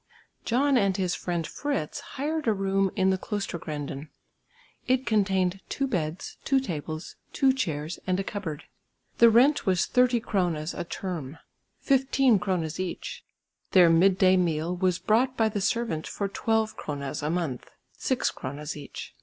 John and his friend Fritz hired a room in the Klostergränden. It contained two beds, two tables, two chairs and a cupboard. The rent was 30 kronas a term, 15 kronas each. Their midday meal was brought by the servant for 12 kronas a month, 6 kronas each.